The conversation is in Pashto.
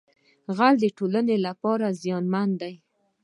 غل د ټولنې لپاره زیانمن دی